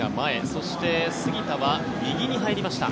そして、杉田は右に入りました。